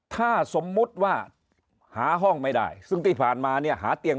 ถ้าสมมุติว่าหาห้องไม่ได้ซึ่งที่ผ่านมาเนี่ยหาเตียง